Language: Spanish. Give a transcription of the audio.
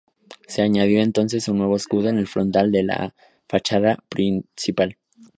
Se añadió entonces un nuevo escudo en el frontal de la fachada principal.